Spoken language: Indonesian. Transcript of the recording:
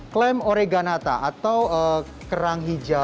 klaim oreganata atau kerang hijau